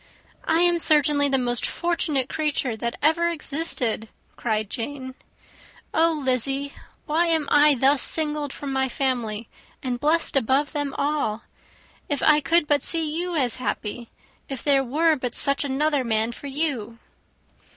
"I am certainly the most fortunate creature that ever existed!" cried Jane. "Oh, Lizzy, why am I thus singled from my family, and blessed above them all? If I could but see you as happy! If there were but such another man for you!"